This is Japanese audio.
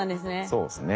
そうですね。